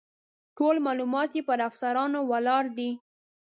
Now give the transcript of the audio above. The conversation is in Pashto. ټول معلومات یې پر افسانو ولاړ دي.